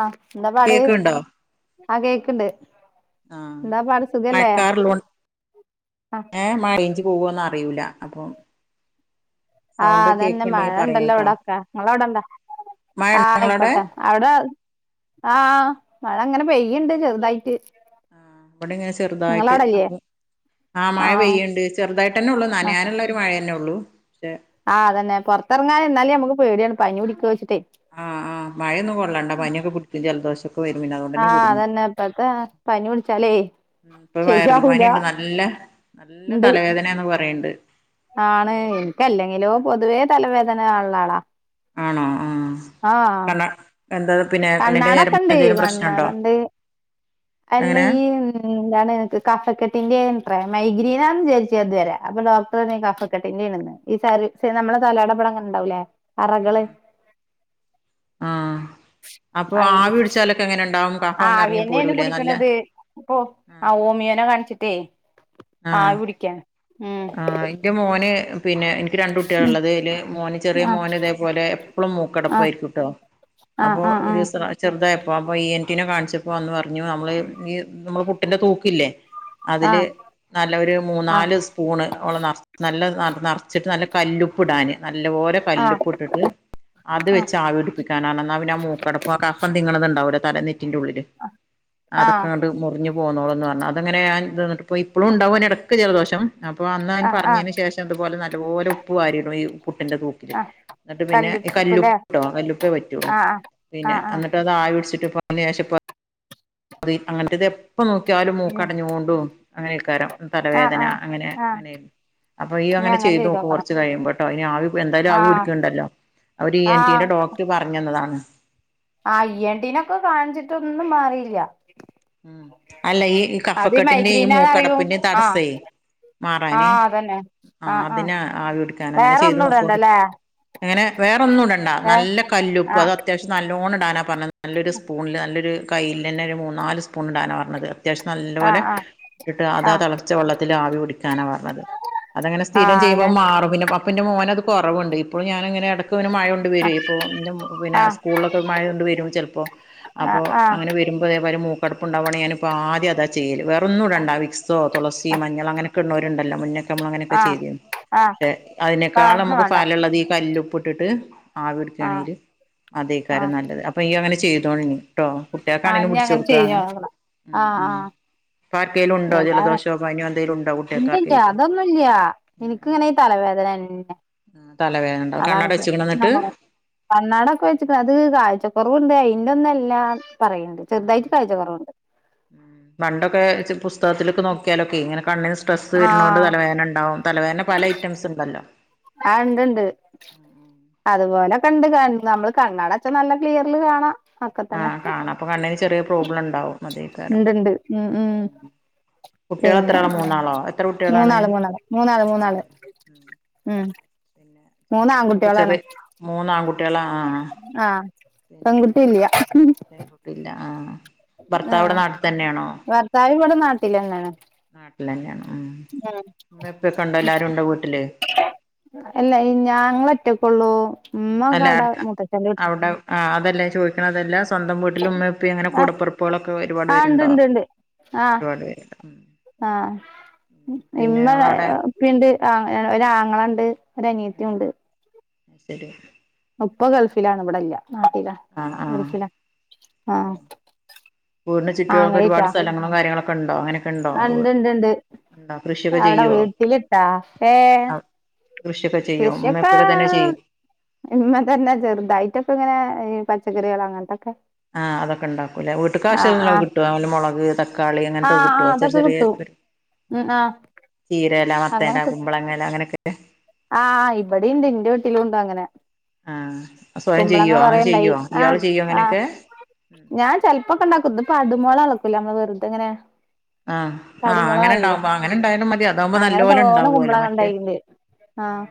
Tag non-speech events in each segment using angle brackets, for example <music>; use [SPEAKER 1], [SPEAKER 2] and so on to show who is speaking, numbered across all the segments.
[SPEAKER 1] ആഹ് എന്താ പാട്
[SPEAKER 2] കേക്ക്ണ്ടോ
[SPEAKER 1] ആഹ് കേക്കണ്ട് എന്താ പാട് സുഖല്ലേ? ആ
[SPEAKER 2] ഏഹ് മയേഞ്ച് പോവോന്ന് അറിയൂല അപ്പം.
[SPEAKER 1] ആഹ്
[SPEAKER 2] സൗണ്ട്
[SPEAKER 1] അതന്നെ മഴ
[SPEAKER 2] കേക്ക്ണ്ടെങ്കി
[SPEAKER 1] ഇണ്ടല്ലോ
[SPEAKER 2] പറയട്ടോ
[SPEAKER 1] ഇവിടൊക്കെ നിങ്ങളവിടെണ്ടോ
[SPEAKER 2] മഴ ഇണ്ടോ
[SPEAKER 1] ആഹ്
[SPEAKER 2] ഇങ്ങളവിടെ
[SPEAKER 1] ആയിക്കോട്ടെ. അവിടെ ആഹ് മഴ ഇങ്ങനെ പെയ്യ്ണ്ട് ചെറുതായിട്ട്.
[SPEAKER 2] ആഹ് ഇവിടെ ഇങ്ങനെ ചെറുതായിട്ട്
[SPEAKER 1] ഇങ്ങളവിടല്ലേ
[SPEAKER 2] അപ്പൊ ആഹ്
[SPEAKER 1] ആ
[SPEAKER 2] മഴ പെയ്യ്ണ്ട്. ചെറുതായിട്ടന്നെ ഉള്ളൂ നനായനുള്ള ഒരു മഴ തന്നെ ഉള്ളൂ. പക്ഷെ
[SPEAKER 1] ആഹാ അതന്നെ പൊറത്തിറാങ്ങാൻ എന്നാലും നമുക്ക് പേടിയാണ് പനി പിടിക്കോ വെച്ചിട്ടേ
[SPEAKER 2] ആഹ് ആ മഴൊന്നും കൊള്ളണ്ട പനിയൊക്കെ പിടിക്കും ജലദോഷം വരുംപിന്നവോ.
[SPEAKER 1] ആഹ് അതന്നെ ഇപ്പത്തെ പനി പിടിച്ചാലേ
[SPEAKER 2] ഉം ഇപ്പൊ വൈറൽ
[SPEAKER 1] ശരിയാവൂല
[SPEAKER 2] പനിയിണ്ട് നല്ല നല്ല
[SPEAKER 1] ഇണ്ട്
[SPEAKER 2] തലവേദനാന്ന് പറയ്ണ്ട്.
[SPEAKER 1] ആണ് എനിക്കല്ലെങ്കിലോ പൊതുവേ തലവേദന ഒള്ള ആളാ-
[SPEAKER 2] ആണോ ആഹ്
[SPEAKER 1] ആഹ്
[SPEAKER 2] എന്തൊക്കെ പിനെ.
[SPEAKER 1] കണ്ണാടൊക്കെണ്ട് കണ്ണാടണ്ട് അല്ല
[SPEAKER 2] എങ്ങനെ
[SPEAKER 1] ഈ എന്താണ് എനിക്ക് കഫക്കെട്ടിന്റെണത്ര മൈഗ്രീനാന്ന് വിചാരിച്ചത് തുവരെ അപ്പൊ ഡോക്ടറ് പറഞ്ഞ് കഫക്കെട്ടിന്റെണെന്ന്. ഈ സ നമ്മളെ തലേടെ ഇവിടെ ഇങ്ങനെ ഇണ്ടാവോലേ അറകള്-
[SPEAKER 2] ആഹ് ആഹ് അപ്പൊ ആവി പിടിച്ചാലൊക്കെ എങ്ങനെ ഉണ്ടാവുന്ന്.
[SPEAKER 1] ആവിന്നെന്ന് പിടിക്ക്ണത്. ഇപ്പൊ
[SPEAKER 2] ആഹ്
[SPEAKER 1] ആ ഓമിയോനെ കാണിച്ചിട്ടേ
[SPEAKER 2] ആഹ്
[SPEAKER 1] ആവി പിടിക്കാൻ ഉം.
[SPEAKER 2] ആഹ് ഇന്റെ മോന് പിന്നെ എനി ക്ക് രണ്ട് കുട്ടികളാള്ളത് അയില് മോന് ചെറിയ
[SPEAKER 1] ആ
[SPEAKER 2] മോന് ഇതേപോലെ എപ്പളും
[SPEAKER 1] ആ
[SPEAKER 2] മൂക്കടപ്പായിരിക്കും ട്ടോ
[SPEAKER 1] ആ
[SPEAKER 2] അപ്പോ
[SPEAKER 1] ആ ആ
[SPEAKER 2] ഒരിവസറ ചെറുതായപ്പോ അപ്പൊ ഈ എൻ ടി നെ കാണിച്ചപ്പോ അന്ന് പറഞ്ഞു നമ്മള് ഈ നമ്മളെ പുട്ടിന്റെ തൂക്കില്ലേ
[SPEAKER 1] ആ ആ
[SPEAKER 2] അതില് നല്ല ഒരു
[SPEAKER 1] ആ
[SPEAKER 2] മൂന്നാല് സ്പൂണ് വെള്ളം നറ നല്ല നറച്ചിട്ട് നല്ല കല്ലുപ്പ് ഇടാന് നല്ലപോലെ
[SPEAKER 1] ആ
[SPEAKER 2] കല്ലുപ്പ് ഇട്ടിട്ട് അത് വെച്ച് ആവി പിടിപ്പിക്കാനാണ് ഇന്നാ പിന്നെ മൂക്കടപ്പ് ആ കഫം തിങ്ങണതുണ്ടാവൂല്ലേ തല നെറ്റിൻ്റെ ഉള്ളില്
[SPEAKER 1] ആ
[SPEAKER 2] അതൊക്കാണ്ട് മുറിഞ്ഞു പോന്നോളും എന്ന് പറഞ്ഞ് അതങ്ങനെ ഇപ്പളും ഇണ്ടാവും ഓന് ഇടക്ക് ജലദോഷം- അപ്പൊ അന്ന് അവന്
[SPEAKER 1] ആ ആ
[SPEAKER 2] പറഞ്ഞതിന് ശേഷം ഇതുപോലെ നല്ലപോലെ ഉപ്പ് വാരിടും ഈ പുട്ടിന്റെ തൂപ്പില്
[SPEAKER 1] ആ
[SPEAKER 2] ഇന്നട്ട് പിന്നെ ഈ
[SPEAKER 1] കല്ലിപ്പുല്ലേ
[SPEAKER 2] കല്ലുപ്പ്ട്ടോ കല്ലുപ്പേ പറ്റുള്ളൂ
[SPEAKER 1] ആ ആ ആ
[SPEAKER 2] പിന്നെ
[SPEAKER 1] ആ
[SPEAKER 2] എന്നിട്ട് ആവി പിടിച്ചിട്ട് ഇപ്പോ അയിന് ശേഷം ഇപ്പോ അത് അങ്ങനത്തെ ഇത് എപ്പോ നോക്കിയാലും
[SPEAKER 1] ഇനി-
[SPEAKER 2] മൂക്കടഞ്ഞോണ്ടും അങ്ങനെക്കാരം
[SPEAKER 1] ആ
[SPEAKER 2] തലവേദന
[SPEAKER 1] ആ
[SPEAKER 2] അങ്ങനെ
[SPEAKER 1] ആ
[SPEAKER 2] അങ്ങനെര്ന്ന് അപ്പൊ ഈ
[SPEAKER 1] ഇനി
[SPEAKER 2] അങ്ങനെ ചെയ്ത് നോക്ക്
[SPEAKER 1] ചെയ്തോക്കണം
[SPEAKER 2] കുറച്ച് കഴിയുമ്പോ ട്ടോ ഇനി ആവി എന്തായാലും
[SPEAKER 1] ആ
[SPEAKER 2] ആവി പിടക്കുണ്ടല്ലോ? അവര് ഇ എൻ
[SPEAKER 1] ആ
[SPEAKER 2] ടിന്റെ ഡോക്ട് പറഞ്ഞു തന്നതാണ്.
[SPEAKER 1] ആഹ് ഇ എൻ ടി നൊക്കെ കാണിച്ചിട്ടൊന്നും മാറിയില്ല്യാ.
[SPEAKER 2] ഉം അല്ലേ ഈ കഫക്കെട്ടിന്റെ ഈ
[SPEAKER 1] മൈഗ്രീനാന്ന് അറിയും
[SPEAKER 2] മൂക്കടപ്പിന്റെ
[SPEAKER 1] ആ
[SPEAKER 2] തടസ്സേ
[SPEAKER 1] ആ
[SPEAKER 2] മാറാന്
[SPEAKER 1] അതന്നെ ആ
[SPEAKER 2] ആഹ്
[SPEAKER 1] ആ
[SPEAKER 2] അതിന് ആവി എടുക്കാൻ അങ്ങനെ
[SPEAKER 1] വേറെ
[SPEAKER 2] ചെയ്ത്
[SPEAKER 1] ഒന്നും
[SPEAKER 2] നോക്കോണ്ട്
[SPEAKER 1] ഇടണ്ടല്ലേ
[SPEAKER 2] അങ്ങനെ വേറൊന്നും ഇടണ്ട
[SPEAKER 1] വേ
[SPEAKER 2] നല്ല കല്ലുപ്പ്
[SPEAKER 1] ആ
[SPEAKER 2] അത് അത്യാവിശ്യം നല്ലോണം ഇടാനാ പറഞ്ഞ നല്ലൊരു സ്പൂണിൽ നല്ലൊരു കയ്യിൽ തന്നെ ഒരു മൂന്നാല് സ്പൂൺ ഇടാനാ പറഞ്ഞത്. അത്യാവിശ്യം
[SPEAKER 1] ആ
[SPEAKER 2] നല്ലപോലെ
[SPEAKER 1] ആ
[SPEAKER 2] ഇട്ടിട്ട്
[SPEAKER 1] ആ
[SPEAKER 2] അതാ തളച്ച വെള്ളത്തില് ആവി പിടിക്കാനാ പറഞ്ഞത്. അതങ്ങനേ
[SPEAKER 1] ആ
[SPEAKER 2] സ്ഥിരം
[SPEAKER 1] അങ്ങനെ
[SPEAKER 2] ചെയുമ്പം മാറും പിന്നെ അപ്പന്റെ മോൻ അത് കൊറവുണ്ട് ഇപ്പൊളും ഞാനങ്ങനെ എട ക്കെ ഓന് മഴ കൊണ്ട് വരെ ഇപ്പോ ഇൻ്റെ മോ പിന്നെ
[SPEAKER 1] ആ
[SPEAKER 2] സ്കൂളിലൊക്കെ മഴ കൊണ്ട് വരും ചെലപ്പൊം-
[SPEAKER 1] ആ
[SPEAKER 2] അപ്പോ
[SPEAKER 1] ആ
[SPEAKER 2] അങ്ങനെ വരുമ്പോ ഇതേ പോലെ മൂ കടപ്പുണ്ടാവാണെല് ഞാന് ഇപ്പോ ആദ്യം അതാ ചെയ്യല് വേറെ ഒന്നും ഇടണ്ട വിക്സോ തുളസി മഞ്ഞൾ അങ്ങനെ ഒക്കെ ഇട്ണോല് ഉണ്ടല്ലൊ മുന്നേ ഞമ്മളങ്ങനെക്കെ
[SPEAKER 1] ആ
[SPEAKER 2] ചെയ്തീന്നു
[SPEAKER 1] ആ
[SPEAKER 2] പക്ഷെ
[SPEAKER 1] ആ ഒന്നും
[SPEAKER 2] അതിനേക്കാളമ്മക്ക്
[SPEAKER 1] വേണ്ട
[SPEAKER 2] ഫലള്ളത് ഈ കല്ലുപ്പ് ട്ട്ട്ട്
[SPEAKER 1] ആ
[SPEAKER 2] ആവിട്ക്കാണെങ്കില്
[SPEAKER 1] ആ
[SPEAKER 2] അതേക്കാരം നല്ലത് അപ്പ ഇയ്യുങ്ങനെ ചെയ്തോൾനി ട്ടോ
[SPEAKER 1] ആ
[SPEAKER 2] കുട്ട്യാക്കാണെലും
[SPEAKER 1] ഇനി
[SPEAKER 2] പുടിച്ചൊട് ക്കാ
[SPEAKER 1] ചെയ്യ
[SPEAKER 2] അങ്ങനെ
[SPEAKER 1] ആ
[SPEAKER 2] ഉം
[SPEAKER 1] ആ
[SPEAKER 2] ഉം ഇപ്പാർക്കേലുണ്ടോ
[SPEAKER 1] എല്ലാ
[SPEAKER 2] ജലദോഷോ പന്യോ എന്തേലുണ്ടോ കുട്ട്യാക്കർക്കേലും.
[SPEAKER 1] ഇൻക്ക് ങ്ങനെ ഈ തലവേദനെന്നെ
[SPEAKER 2] ഉം തലവേദനെണ്ടാവും കണ്ണട വച്ച്ക്ക്ണൊ ന്നട്ട്.
[SPEAKER 1] കണ്ണാടെക്കെ വെച്ചിക്ക്ണ് അത് കാഴ്ച കൊറവ്ണ്ട് അയിൻ്റൊന്നല്ലാ പറയ്ണ്ട്
[SPEAKER 2] ആഹ്
[SPEAKER 1] ചെർതായിട്ട് കാഴ്ച കൊറവ്ണ്ട്.
[SPEAKER 2] ഉം പണ്ടൊക്കെ ഇച്ച് പുസ്തകത്തില്ക്ക് നോക്ക്യാലൊക്കെ ഇങ്ങനെ കണ്ണിന് സ്ട്രെസ്സ്
[SPEAKER 1] ആ
[SPEAKER 2] വര്ണോണ്ട് തലവേദന ണ്ടാവും. തലവേദന പല ഐറ്റംസ് ണ്ടല്ലോ.
[SPEAKER 1] ആഹ് ഇണ്ട് ണ്ട് അത്പോലെക്കെണ്ട് കണ് നമ്മള് കണ്ണടെച്ച നല്ല ക്ലിയറില് കാണാ.
[SPEAKER 2] ആഹ് കാണാ അപ്പൊ കണ്ണിന് ചെറ്യേ പ്രോബ്ലണ്ടാവും.
[SPEAKER 1] ഇണ്ട് ണ്ട് ഉം ഉം
[SPEAKER 2] കുട്ടികൾ എത്ര
[SPEAKER 1] പിന്നെ
[SPEAKER 2] ആളാ മൂന്നാളോ എത്ര കുട്ടികളാണ്
[SPEAKER 1] മൂന്നാള് മൂന്നാള് മൂന്നാള് മൂന്നാള് ഉം മൂന്ന്
[SPEAKER 2] മോനും <unintelligible> ചത്
[SPEAKER 1] ആൺകുട്ടികളാണ്
[SPEAKER 2] മൂന്നാൺകുട്ട്യാളാ ആഹ് ആഹ് ആഹ്.
[SPEAKER 1] ആഹ് പെങ്കുട്ടില്ല്യ.
[SPEAKER 2] പിന്ന ആഹ്
[SPEAKER 1] ആഹ് ഭർത്താവ് ഇവടെ നാട്ടിലെന്നെണ്.
[SPEAKER 2] നാട്ടിലെന്നെണ് ഉം ഇമ്മിം ഇപ്പ്യ ക്കെണ്ടോ എല്ലാരുണ്ടോ വീട്ടില്?
[SPEAKER 1] അല്ല ഈ ഞാങ്ങളൊറ്റക്കൊള്ളൂ ഇമ്മക്കടെ മൂത്തച്ചൻ്റെ വീട്ട്
[SPEAKER 2] ആഹ് അതല്ല ഞാ ചോയ്ക്ക്ണതല്ല സ്വന്തം വീട്ടില് ഉമ്മിം ഉപ്പിം അങ്ങനെ
[SPEAKER 1] ആഹ്
[SPEAKER 2] കൂടപ്പെറപ്പേളൊക്കെ ഒരുപാട്
[SPEAKER 1] ആഹ് ഉണ്ട്
[SPEAKER 2] പേര്ണ്ടോ?
[SPEAKER 1] ഉണ്ട് ഉണ്ട് ആഹ് ആഹ്
[SPEAKER 2] പിന്നെ
[SPEAKER 1] ഇമ്മ
[SPEAKER 2] നിങ്ങളവിടെ
[SPEAKER 1] പ്പിണ്ട് ആഹ് എഹ് ഒരാങ്ങളണ്ട് ഒരനിയത്ത്യൂണ്ട്.
[SPEAKER 2] ശരി
[SPEAKER 1] ഉപ്പ ഗൾഫിലാണ് ഇവടെല്ല നാട്ടില
[SPEAKER 2] ആഹ് ആഹ് ഉം വീട്ന് ചുറ്റോ ങ്ങക്കൊരുപാട് സ്ഥലങ്ങള് ളും കാര്യങ്ങളൊക്കെണ്ടോ അങ്ങനെ
[SPEAKER 1] ആഹ് ഇണ്ട് ണ്ട് ണ്ട് അവടെ
[SPEAKER 2] ചെയ്യുവോ
[SPEAKER 1] വീട്ടില് ട്ട <unintelligible>
[SPEAKER 2] കൃഷിയൊക്കെ ചെയ്യോ ഉമ്മ
[SPEAKER 1] കൃഷ്യക്കേ
[SPEAKER 2] ഉപ്പയൊക്കെ തന്നെ ചെയ്യും
[SPEAKER 1] ഇമ്മ തന്നെ ചെറ്തായിട്ടൊക്കെങ്ങനെ ഈ പച്ചക്കറികള് അങ്ങൻത്തൊക്കെ
[SPEAKER 2] ആഹ് അതൊക്കെണ്ടാക്കൂലേ വീട്ട്ക്ക് ആവശ്യള്ളക്കെ കിട്ടോ <unintelligible> മൊളക്, തക്കാളി അങ്ങൻത്തെക്കെ കിട്ടോ ചെറി ചെറ്യേ
[SPEAKER 1] ട്ടു ഉം
[SPEAKER 2] ഉം
[SPEAKER 1] ആ
[SPEAKER 2] ചീരേല, മത്തെല, കുമ്പളങ്ങെല അങ്ങനെക്കെ
[SPEAKER 1] ആഹ് ഇബടീണ്ട് ഇൻ്റെ വീട്ടില്ണ്ടങ്ങനെ.
[SPEAKER 2] ആഹ് സ്വയം ചെയ്യോ അങ്ങനെ
[SPEAKER 1] കൊറേണ്ടായി
[SPEAKER 2] ചെയ്യോ
[SPEAKER 1] ആ
[SPEAKER 2] ഇയാൾ ചെയ്യോ
[SPEAKER 1] ആ
[SPEAKER 2] അങ്ങനെക്കെ?
[SPEAKER 1] ഞാൻ ചെല് പ്പൊക്കെണ്ടാക്കും ഇത്പ്പടുമോളാള് ചെയ്യാ <unintelligible> വെറ്തെങ്ങനെ
[SPEAKER 2] ആ ആ അങ്ങനെ
[SPEAKER 1] പടുമോളാറീല്ലേ
[SPEAKER 2] ഉണ്ടാവുമ്പോ അങ്ങനെ ഉണ്ടായാലും മതി അതാവുമ്പോ
[SPEAKER 1] അങ്ങനെ
[SPEAKER 2] നല്ലപോലെ
[SPEAKER 1] തോനെ
[SPEAKER 2] ഉണ്ടാവുവല്ലോ
[SPEAKER 1] കുമ്പളങ്ങ
[SPEAKER 2] മറ്റേ
[SPEAKER 1] ണ്ടായിണ്ട്.
[SPEAKER 2] ആ
[SPEAKER 1] ആഹ്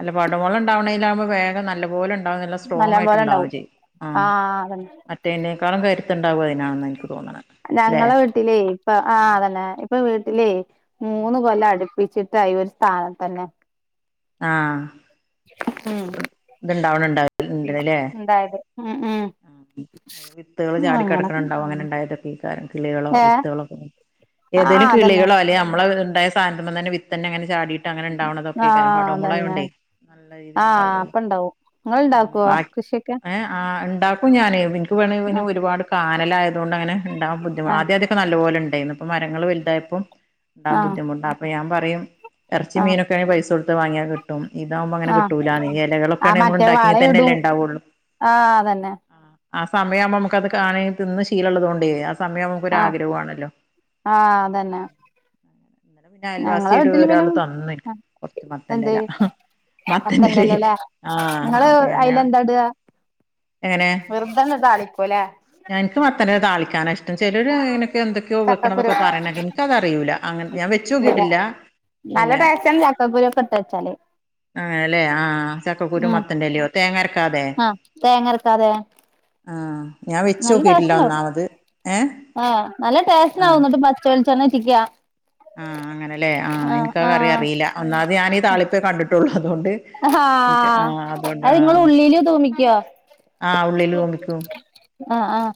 [SPEAKER 2] അല്ല പടുമൊള ണ്ടാവ്ണെയ്ലാവുംമ്പം വേഗം നല്ല പോലെ ഇണ്ടാവാണെ നല്ല
[SPEAKER 1] നല്ലം പോലെ
[SPEAKER 2] സ്ട്രോങ്ങായിട്ട്ണ്ടാവും
[SPEAKER 1] ഇണ്ടാവും
[SPEAKER 2] ചെ
[SPEAKER 1] ആ
[SPEAKER 2] ആഹ്
[SPEAKER 1] അതന്നെ
[SPEAKER 2] മറ്റെയ്ൻ്റെക്കാളും കരുത്ത് ണ്ടാവും അയ്നാണ് ന്നാ ഇൻക്ക് തോന്ന്ണെ.
[SPEAKER 1] ഞങ്ങളെ വീട്ടിലെയ് ഇപ്പ ആഹ് അതെന്നെ ഇപ്പൊ വീട്ടിലെയ്
[SPEAKER 2] ഉം
[SPEAKER 1] മൂന്ന് കൊല്ലം അട്പ്പിച്ചിട്ടായി ഒരു സ്ഥാനത്തെന്നെ
[SPEAKER 2] ആഹ്
[SPEAKER 1] ഉം
[SPEAKER 2] ഇത്ണ്ടാവണണ്ടാവണ്ടല്ലേ
[SPEAKER 1] പിന്നെണ്ടായത് ഉം ഉം
[SPEAKER 2] ഉം അത് വിത്തെള്
[SPEAKER 1] അങ്ങനെ
[SPEAKER 2] ചാടിക്കെടക്ക്ണ് ണ്ടാവും അങ്ങനെണ്ടായതൊക്കെ കാരം കിളികളോ
[SPEAKER 1] ഏ
[SPEAKER 2] വിത്ത്കളോക്കെങ്ങനെ
[SPEAKER 1] ആ
[SPEAKER 2] ഏതേലും
[SPEAKER 1] അതന്നെ
[SPEAKER 2] കിളികളോ അല്ലെ അമ്മളവ് ഇണ്ടായ സ് സാധൻത്ത്മ്മന്നെന്നെ വിത്തെന്നെങ്ങനെ ചാടി
[SPEAKER 1] ആ
[SPEAKER 2] ട്ടങ്ങനെണ്ടാവ്ണതൊക്കെക്കാരം പാടോ
[SPEAKER 1] അതന്നെ
[SPEAKER 2] മൊളയോണ്ടേ നല്ല രീതി
[SPEAKER 1] ആ
[SPEAKER 2] ണ്ടാവോലൊ ഉം <unintelligible>
[SPEAKER 1] കൃഷ്യെക്കെ
[SPEAKER 2] ആ ഉണ്ടാക്കും ഞാന് എനിക്ക് വേണേ ഇന് ഒരുപാട് കാനലായതോണ്ട് അങ്ങനെ ഉണ്ടാ ബുദ്ധി
[SPEAKER 1] ആ
[SPEAKER 2] ആദ്യ ആദ്യ- നല്ല പോലെണ്ടായീന്നു. പ്പ മരങ്ങള് വൽതായപ്പം ഉണ്ടാൻ
[SPEAKER 1] ആ
[SPEAKER 2] ബുദ്ധിമുട്ടാ അപ്പൊ ഞാൻ പറയും എർച്ചിം
[SPEAKER 1] ആ
[SPEAKER 2] മീനൊക്കെയാ പൈസൊട്ത്ത് വാങ്യാ കി ട്ടും. ഇതാവുമ്പങ്ങനെ
[SPEAKER 1] ആ
[SPEAKER 2] കിട്ടൂലാന്ന്. എലകളൊക്കെണെ നമ്മള്ണ്ടാക്കെങ്കിതന്നെല്ലേ ണ്ടാവുള്ളൂ
[SPEAKER 1] ആഹ്‌ അതന്നെ
[SPEAKER 2] ആ സമയയാവുമ്പോ നമുക്കത് കാണ തിന്ന് ശീലള്ളതോണ്ടേയ് ആ സമയാവുമ്പോ
[SPEAKER 1] ആ
[SPEAKER 2] നമുക്കൊരാഗ്രഹു ആണല്ലോ
[SPEAKER 1] ആ അതന്നെ
[SPEAKER 2] ന്നെലെ പിന്നെ
[SPEAKER 1] ഞങ്ങളെ
[SPEAKER 2] അയൽവാസിയട്
[SPEAKER 1] വീട്ടില് പിന്നെ
[SPEAKER 2] ഒരാള് തന്നിൻക്. കൊർച്ച്
[SPEAKER 1] എന്ത്
[SPEAKER 2] മത്തന്റെല മത്തന്റെലേ
[SPEAKER 1] മത്തന്റെലല്ലേ
[SPEAKER 2] ആഹ്‌
[SPEAKER 1] നിങ്ങള്
[SPEAKER 2] അപ്പഞാനാ
[SPEAKER 1] വെർതന്നെ താളി - ക്കുലേ
[SPEAKER 2] ഞങ്ക് മത്തനെ താളിക്കാന ഇഷ്ട ചിലരു നൊക്കെ എന്തൊക്കയോ
[SPEAKER 1] ചക്കക്കുരു
[SPEAKER 2] വെക്കണതൊക്കെ പറയണേക് എന്- ക്കതറിയൂല. അങ്ങൻ ഞാൻ വെച്ചോക്കിട്ടില്ല
[SPEAKER 1] നല്ല
[SPEAKER 2] പിന്നെ
[SPEAKER 1] ടേസ്റ്റാണ് ചക്കക്കുരു ഒക്കെ ഇട്ട് വെച്ചാല്
[SPEAKER 2] ആ അല്ലെ ആ ചക്കക്കുരു മത്തന്റെല്യോ തേങ്ങര്ക്കാതെ
[SPEAKER 1] അ തേങ്ങര്ക്കാതെ
[SPEAKER 2] ആഹ്‌ ഞാൻ വെച്ചോക്കിട്ടില്ല ഒന്നാമത് ഏഹ്
[SPEAKER 1] ആഹ്‌ നല്ല ടേസ്റ്റ്ണ്ടാവും.
[SPEAKER 2] ആഹ്
[SPEAKER 1] ന്നട്ട് പച്ചവെൾച്ചെണ്ണ ഇറ്റിക്ക
[SPEAKER 2] ആഹ് അങ്ങനെലേ, ആഹ് ഇൻകാ
[SPEAKER 1] ആഹ്
[SPEAKER 2] കറിഅറീല, ഒന്നാമത് ഞാനീ താളിപ്പേ കണ്ട്ട്ടൊള്ളൂ അതോണ്ട്
[SPEAKER 1] ഹാ അത്ങ്ങള് ഉള്ളീല് തൂമ്പിക്ക്യോ
[SPEAKER 2] ആഹ് ഉള്ളീല് തൂമ്പിക്കും
[SPEAKER 1] ആ ആഹ്‌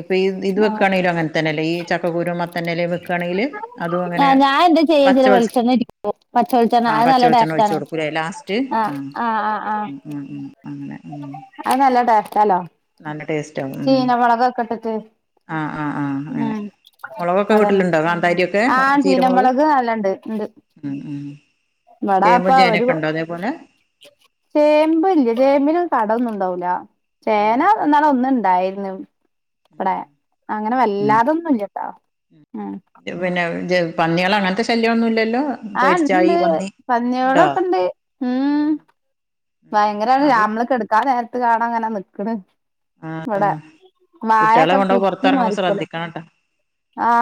[SPEAKER 2] ഇപ്പഈ ഇത് വെക്കാണെങ്കിലും അങ്ങൻതന്നല്ലേ ഈ ചക്കക്കുരും മത്തന്റെലേം വെക്കാണെങ്കില് അതു അങ്ങനെ,
[SPEAKER 1] ആഹ് ഞാൻ എന്താ ചെയ്യാച്ചില്
[SPEAKER 2] പച്ചവെൾച്ച
[SPEAKER 1] വെളിച്ചെണ്ണ ഉറ്റിക്കും പച്ച വെളിച്ചെണ്ണ
[SPEAKER 2] ആഹ്‌
[SPEAKER 1] അത് നല്ല
[SPEAKER 2] പച്ചവെൾച്ചെണ്ണ ഒഴിച്ചു
[SPEAKER 1] ടേസ്റ്റാണ്
[SPEAKER 2] കൊടുക്കുലേ ലാസ്റ്റ്
[SPEAKER 1] ആഹ്
[SPEAKER 2] ആഹ്‌
[SPEAKER 1] ആഹ് ആഹ് ആഹ്
[SPEAKER 2] ഉം ഉം ഉം അങ്ങനെ ഉം
[SPEAKER 1] അത് നല്ല ടേസ്റ്റല്ലോ
[SPEAKER 2] നല്ല ടേസ്റ്റ് ആവും ഉം
[SPEAKER 1] ചീനമൊളകൊക്കെട്ടിട്ട്
[SPEAKER 2] ആ ആ ആ അങ്ങനെ
[SPEAKER 1] ഉം
[SPEAKER 2] മുളകൊക്കെ
[SPEAKER 1] അതന്നെ
[SPEAKER 2] വീട്ടിലുണ്ടോ കാന്താരിയൊക്കെ
[SPEAKER 1] ആ
[SPEAKER 2] ചീരമുളക്
[SPEAKER 1] ചീനമളക് നാൽണെണ്ട് ണ്ട്
[SPEAKER 2] ഉം ഉം ചേമ്പും
[SPEAKER 1] ഒരു
[SPEAKER 2] ചേനിയൊക്കെണ്ടോ അതേപോലെ
[SPEAKER 1] ചേമ്പ്. ല്യ ചേമ്പില് കടൊന്നുംണ്ടാവൂല ചേന
[SPEAKER 2] ഉം
[SPEAKER 1] അന്നാള് ഒന്ന് ഇണ്ടായിരുന്നു വടെ
[SPEAKER 2] ഉം
[SPEAKER 1] അങ്ങനെ
[SPEAKER 2] ഉം ഉം
[SPEAKER 1] വല്ലാതൊന്നുല്യ ട്ടോ ഉം
[SPEAKER 2] പിന്നെ ജ പന്ന്യാളങ്ങൻത്ത ശല്യന്നുല്ലല്ലോ
[SPEAKER 1] ആഹ്‌ ണ്ട് പന്ന്യാളൊക്കെണ്ട് ഉം
[SPEAKER 2] ഉം
[SPEAKER 1] ഭയങ്കരമാണ് ലാ.
[SPEAKER 2] അത്
[SPEAKER 1] അമ്മള് കെട്ക്കാൻ നേരത്ത് കാണാ ങ്ങനെ നിക്ക്‌ണ്
[SPEAKER 2] ആ ആ
[SPEAKER 1] വടെ
[SPEAKER 2] കുട്ടികളെ
[SPEAKER 1] വായൊക്കെ
[SPEAKER 2] കൊണ്ടോയി
[SPEAKER 1] കുത്തി മറിക്കൊലൊ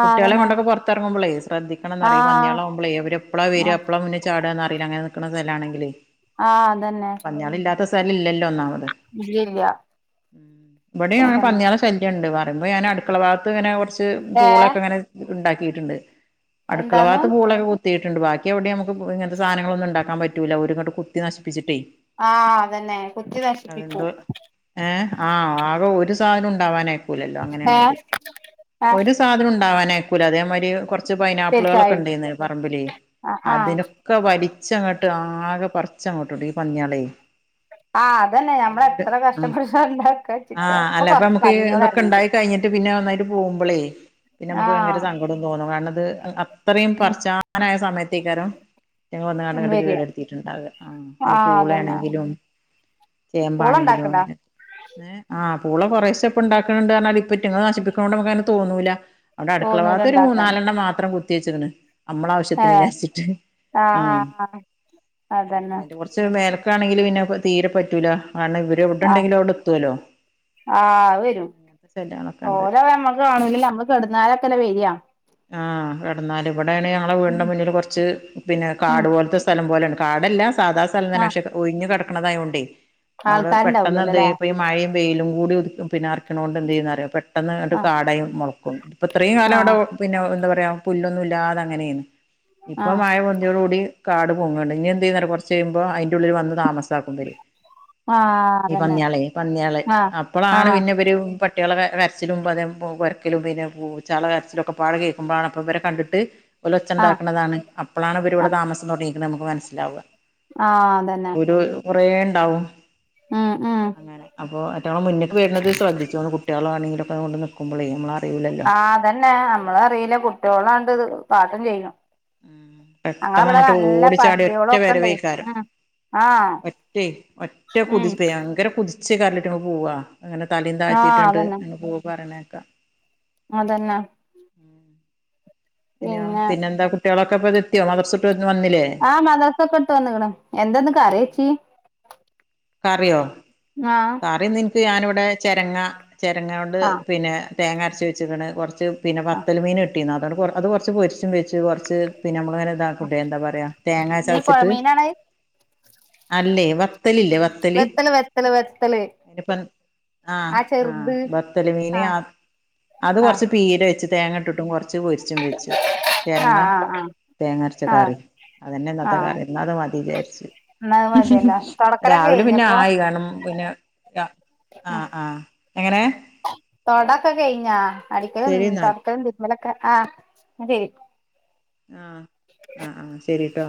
[SPEAKER 2] കുട്ട്യാളിം കൊണ്ടൊക്കെ പൊർത്തർ ങ്ങുമ്പളേ ശ്രദ്ധി- ക്കണംന്നറ്യ. ഈ
[SPEAKER 1] ആഹ്
[SPEAKER 2] പന്ന്യാളാവുമ്പളേ അവരെപ്പളാ വര
[SPEAKER 1] ആഹ്
[SPEAKER 2] എപ്പളാ മുന്നി ചാടാന്നറീല. അങ്ങനെ നിക്ക്‌ണ സ്ഥലാണെങ്കിലെ
[SPEAKER 1] ആഹ്‌ അതന്നെ
[SPEAKER 2] പന്ന്യാളില്ലാത്ത സ്ഥലം ഇല്ലല്ലോ ഒന്നാമത്
[SPEAKER 1] ഇല്ല്യല്ല
[SPEAKER 2] ഉം വടിം അങ്ങനെ പന്ന്യാളെ ശല്യംണ്ട്. പറിമ്പോ ഞാനട്ക്കള ഭാഗത്ത്ങ്ങനെ കൊർച്ച്
[SPEAKER 1] ഏഹ്
[SPEAKER 2] പൂളൊക്കെങ്ങനെ ഇണ്ടാക്കിയിട്ട്ണ്ട്. അടുക്കള
[SPEAKER 1] എന്താന്ന്
[SPEAKER 2] ഭാത്ത് പൂളൊക്കെ കുത് ത്തീട്ട്ണ്ട്. ബാക്കി എവിടിം നമ്മക്ക് ഇ ങ്ങൻത്തെ സാനങ്ങളൊന്നും ഇണ്ടാക്കാൻ പറ്റൂല, ഓല്ങ്ങട്ട് കുത്തി നശിപ്പിച്ചിട്ടേയ്
[SPEAKER 1] ആഹ്‌ അതന്നെ കുത്തി നശിപ്പിക്കും
[SPEAKER 2] ഏഹ്‌ ആഹ് ആകെ ഒരു സാധനും ഇണ്ടാവാനയ് - ക്കൂല്ലല്ലോ.
[SPEAKER 1] ഏഹ്
[SPEAKER 2] അങ്ങനേണോല്.
[SPEAKER 1] ആഹ്
[SPEAKER 2] ഒരു സാധനു ണ്ടാവാനയ്ക്കൂല അതേമാരി കൊർച്ച്
[SPEAKER 1] തീർച്ചയായും
[SPEAKER 2] പൈനാപ്പിളേളൊക്കെണ്ടേന്ന് പറമ്പിലേയ്.
[SPEAKER 1] ആഹ് ആഹ്
[SPEAKER 2] അതിന് ക്ക വലിച്ചങ്ങട്ട് ആകെ പറിച്ചങ്ങോട്ടി ടും ഈ പന്ന്യാളേയ്
[SPEAKER 1] ആഹ്‌ അതന്നെ ഞമ്മളെത്ര കഷ്ടപ്പെട്ടിട്ടാ ണ്ടാക്ക
[SPEAKER 2] ആഹ് അല്ല അപ്പമ്മക്കീ തൊക്കെണ്ടായി കഴിഞ്ഞിട്ട് പിന്നെ ഒന്നായിട്ട് പോവുമ്പളേയ്, പിന്നമ്മക്ക് ഭയങ്കര
[SPEAKER 1] ആഹ്
[SPEAKER 2] സങ്കടം തോന്നും കാരണത് അത്രയും പർച്ചാനായ സമയത്തേക്കാരം ഞങ്ങൾ
[SPEAKER 1] ഉം
[SPEAKER 2] വന്നങ്ങാണ്ടങ്ങോട്ട്
[SPEAKER 1] വരിക
[SPEAKER 2] കേടെ എടുത്തിട്ടുണ്ടാവുക ആ യിന്
[SPEAKER 1] ആഹ്
[SPEAKER 2] പൂളേ
[SPEAKER 1] അതന്നെ
[SPEAKER 2] ആണെങ്കിലും.
[SPEAKER 1] പൂള
[SPEAKER 2] ചേമ്പാണെങ്കിലും
[SPEAKER 1] ഇണ്ടാക്ക്ണ്ടാ
[SPEAKER 2] അങ്ങനെ ഏഹ് ആഹ് പൂളകോറേശം ഇപ്പ ഉണ്ടാക്കുന്നുണ്ട് ഇപം ഇറ്റി ങ്ങങ്ങള് നശിപ്പിക്കോണ്ട് നമുക്ക്ആങ്ങനേ തോന്നൂല. അവിടെ അടുക്കള
[SPEAKER 1] തോന്നൂല
[SPEAKER 2] ഭാഗത്ത് ഒരു
[SPEAKER 1] ഇണ്ടാക്കാന്
[SPEAKER 2] മൂന്നാലെണ്ണം മാത്രം കുത്തി വച്ചിക്കണ്. നമ്മള ആവശ്യത്തിന്
[SPEAKER 1] ഏഹ്
[SPEAKER 2] വിചാരിച്ചിട്ട് ആഹ്
[SPEAKER 1] അതന്നെ
[SPEAKER 2] അയിന്റെ കൊറച്ച് പക്ഷെ മേലക്കാണെങ്കിൽ പിന്നെ തീരെ പറ്റൂല കാര ഇവര്
[SPEAKER 1] ആഹ്
[SPEAKER 2] എവിടെണ്ടെങ്കിലും അവിടെ എത്തുവല്ലോ
[SPEAKER 1] ആഹ് വരൂം
[SPEAKER 2] അങ്ങനത്തെ ശല്യങ്ങളൊക്കെ ഉണ്ട്
[SPEAKER 1] ഓരോ നമ്മക്ക് കാണൂല്ല നമ്മക്ക് കെടുന്നാരൊക്കെല്ല വരിയാ
[SPEAKER 2] ആഹ് കട്ന്നാല് ഇവിടൊണ് ഞങ്ങളെ വീടിന്റെ മുന്നിൽ കുറച്ച് പിന്നെ
[SPEAKER 1] ഉം
[SPEAKER 2] കാട് പോലത്തെ സ്ഥ സ്ഥലം പോലെയാണ് കാടല്ല സാധാസ്ഥലതന്നെ
[SPEAKER 1] ആഹ്
[SPEAKER 2] പക്ഷെ ഒഴിഞ്ഞ കടക്കണതായൊണ്ടേ അവിടെ പെട്ടന്ന് എന്ത്
[SPEAKER 1] ആൾക്കാരുണ്ടാവൂലല്ലോല്ലേ
[SPEAKER 2] യും. ഈ മഴയും വെയിലും കൂടി ഉദി പിന്നെ അറക്കണോ കൊണ്ട് എന്ത് ചെയ്യുന്നറിയ പെട്ടെന്ന്ട്ട്
[SPEAKER 1] ആഹ്
[SPEAKER 2] കാടയും മൊളക്കും. ഇപ്പ ഇത്രയും കാലം അവിടെ
[SPEAKER 1] ആഹ്
[SPEAKER 2] പിന്നെ എന്താ പറയാ പുല്ലൊന്നും ഇല്ലാതെ അങ്ങനെയന്ന് ഇപ്പം
[SPEAKER 1] ആഹ്
[SPEAKER 2] മഴ യോട് കൂടി കാട് പോങ്ങുണ്ട് ഇനി എന്ത് ചെയ്യാം കുറച് കഴുമ്പോൾ അതിന്റെ ഉള്ളിൽ വന്ന് താമസാക്കും ഇവര്.
[SPEAKER 1] ആഹ് അതന്നെ.
[SPEAKER 2] പന്നയാള്
[SPEAKER 1] ആഹ്
[SPEAKER 2] അപ്പോളാണ്
[SPEAKER 1] ആഹ്
[SPEAKER 2] പിന്നെഇവര് പ ട്ടികളെ കരച്ചിലും പ കൊരക്കലും പിന്നെ പൂച്ചാള കരച്ചിലും ഒക്കെ പാട് കേൾക്കുമ്പോണ് അപ്പ ഇവരെ കണ്ടിട്ട്. ഒല് ഒച്ച
[SPEAKER 1] ആഹ്
[SPEAKER 2] ഉണ്ടാക്കുന്നതാണ് അപ്പോളാണ് ഇവരി ഇവിടെ താമസം തുടങ്ങിരിക്കുന്നത് നമക്ക് മനസ്സാലവുക.
[SPEAKER 1] ആഹ് അതന്നെ
[SPEAKER 2] ഉരു കൊറേണ്ടാവും
[SPEAKER 1] ഉം ഉം
[SPEAKER 2] അങ്ങനെ അപ്പോ ഒറ്റ്ഞൊ ളൊ മുന്നേക്ക് വരന്നന്നത് ശ്രദ്ധിച്ചോന്ന് കുട്ടികളാണെങ്കിലൊക്കെ കൊണ്ട് നിക്കുമ്പോളേ നമ്മള
[SPEAKER 1] ആഹ് അതന്നെ നമ്മള് അറിയുല്ല കുട്ടികളാണ്ട് കാട്ടും ചെയ്യും. ങ്ങ
[SPEAKER 2] പെട്ടെന്ന്
[SPEAKER 1] ഇവിടെ
[SPEAKER 2] അങ്ങോട്ട്
[SPEAKER 1] നല്ല
[SPEAKER 2] ഓടിച്ചാടി ഒറ്റ
[SPEAKER 1] പട്ടികളൊക്കെണ്ടേ
[SPEAKER 2] വരവേക്കാരം
[SPEAKER 1] ആഹ്
[SPEAKER 2] ഒറ്റേ ഒറ്റ
[SPEAKER 1] ഉം
[SPEAKER 2] കുതിച്ച് പയങ്കര കുതിച്ച് ങട്കരഞ്ട്ട്പോവാ അങ്ങനെ തലേം
[SPEAKER 1] ആഹ്
[SPEAKER 2] താഴ്ത്തിയിട്ടിണ്ട്
[SPEAKER 1] അതന്നെ
[SPEAKER 2] അങ്ങനെ പോ പറയണേ
[SPEAKER 1] അതന്നെ.
[SPEAKER 2] ഇനെയോ
[SPEAKER 1] പിന്നെ
[SPEAKER 2] പിന്നെന്താ കുട്ടികളൊക്കെ ഇപ്പ എത്തിയോ മദ്രസട്ട് വന്നില്ലേ?
[SPEAKER 1] ആഹ് മദ്രസൊക്കെ ഇട്ട് വന്ന്ക്ണ് എന്താ ഇന്ന് കറിചി
[SPEAKER 2] കറിയോ?
[SPEAKER 1] ആഹ്.
[SPEAKER 2] കറിനിനിക്ക് ഞാനിവിടെ ചെരങ്ങ ചെരങ്ങ കൊണ്ട്
[SPEAKER 1] ആഹ്
[SPEAKER 2] പിന്നെ തേങ്ങ അരച്ച് വെച്ചിക്കണ് കൊറച്ച് പിന്നെ
[SPEAKER 1] ആഹ്
[SPEAKER 2] പത്തൽ മീൻ ഇട്ടിന്ന് അതുകൊണ്ട് അത് കുറച്ച് പൊരിച്ചും വെച്ച് കുറച്ച് പിന്നെ നമ്മൾങ്ങനെ തകുട്ടെ എന്താ പറയാ തേങ്ങാ
[SPEAKER 1] ഈ
[SPEAKER 2] ചച്ചിട്ട്
[SPEAKER 1] പൊഴമീനാണത്
[SPEAKER 2] അല്ലേ വത്തലില്ല
[SPEAKER 1] വത്തല് വത്തല് വത്തല്
[SPEAKER 2] <unintelligible> അതിനിപ്പം ആഹ് ആഹ് ബത്തല് മീന് ആ
[SPEAKER 1] ആഹ്
[SPEAKER 2] അത്
[SPEAKER 1] ആഹ്
[SPEAKER 2] കൊറച്ച് പീരെ വെച്ച് തേങ്ങ ഇട്ടിട്ടും കൊറ ച്ച് പൊരിച്ചും വെച്ചു ചെരങ്ങ
[SPEAKER 1] ആഹ് ആഹ് ആഹ്
[SPEAKER 2] തേങ്ങ അരച്ച
[SPEAKER 1] ആഹ്
[SPEAKER 2] കറി അത് ന്നേ ഇന്നത്തെ
[SPEAKER 1] ആഹ്
[SPEAKER 2] കറി ഇന്നതും മതി വിചാരിച്ചു
[SPEAKER 1] എന്നാ അത് മതിയല്ലോ തൊടക്കലൊക്കെ
[SPEAKER 2] രാവിലെ
[SPEAKER 1] കഴിഞ്ഞപ്പോ
[SPEAKER 2] കാണും പിന്നെ ആഹ് ആഹ് എങ്ങനെ?
[SPEAKER 1] തൊടൊക്കെ കഴിഞ്ഞാ അടിക്കലും
[SPEAKER 2] ശരി എന്നാൽ
[SPEAKER 1] തോടക്കലും തിരുമ്മലൊക്കെ ആഹ് ന്ന ശരി.
[SPEAKER 2] ആഹ് ആഹ് ആഹ് ശരിട്ടോ.